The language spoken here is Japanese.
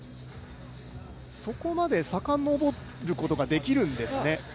そこまで遡ることができるんですかね。